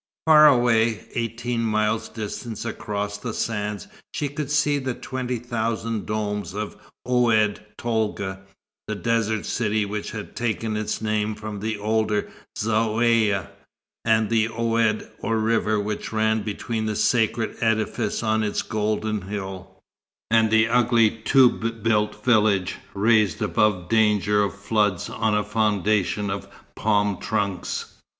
Far away, eighteen miles distant across the sands, she could see the twenty thousand domes of Oued Tolga, the desert city which had taken its name from the older Zaouïa, and the oued or river which ran between the sacred edifice on its golden hill, and the ugly toub built village, raised above danger of floods on a foundation of palm trunks.